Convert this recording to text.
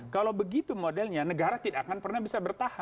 kalau begitu modelnya negara tidak akan pernah bisa bertahan